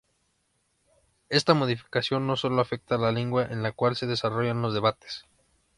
Esta modificación no solo afecta la lengua en la cual se desarrollan los debates.